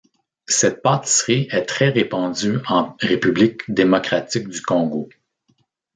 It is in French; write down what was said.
Cette pâtisserie est très répandue en République démocratique du Congo.